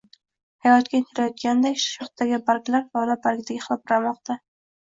Hayotga intilayotgandek shohdagi barglar lola bargidek hilpiramoqda